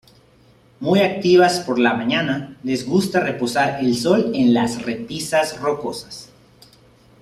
Muy activas por la mañana, les gusta reposar al sol en las repisas rocosas.